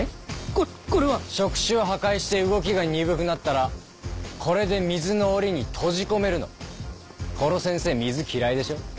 ここれは触手を破壊して動きが鈍くなったらこれで水の檻に閉じ込めるの殺せんせー水嫌いでしょ？